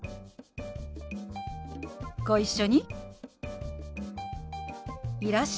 ご一緒に。